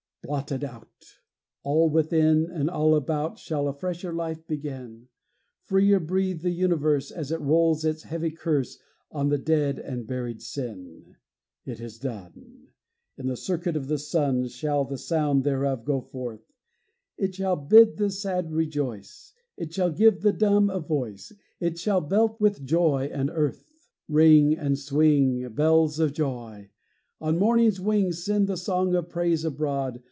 Blotted out! All within and all about Shall a fresher life begin; Freer breathe the universe As it rolls its heavy curse On the dead and buried sin! It is done! In the circuit of the sun Shall the sound thereof go forth. It shall bid the sad rejoice, It shall give the dumb a voice, It shall belt with joy the earth! Ring and swing, Bells of joy! On morning's wing Send the song of praise abroad!